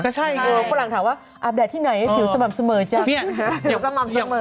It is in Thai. ก็ใช่เพราะคนหลังถามว่าอับแดดที่ไหนอยู่สม่ำเสมอจัง